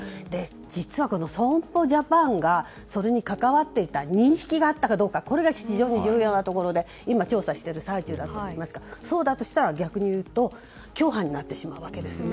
実は、損保ジャパンがそれに関わっていた認識があったかが重要なところで今、調査している最中だといいますがそうだとしたら逆に言うと共犯になってしまうわけですよね。